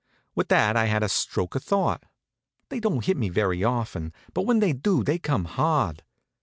With that I had a stroke of thought. They don't hit me very often, but when they do, they come hard.